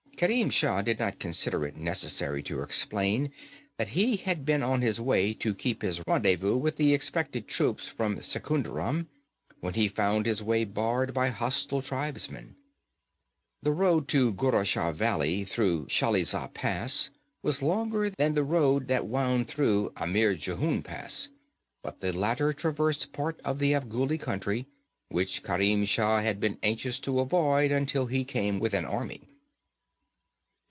Kerim Shah did not consider it necessary to explain that he had been on his way to keep his rendezvous with the expected troops from Secunderam when he found his way barred by hostile tribesmen. The road to Gurashah valley through Shalizah Pass was longer than the road that wound through Amir Jehun Pass, but the latter traversed part of the Afghuli country, which Kerim Shah had been anxious to avoid until he came with an army.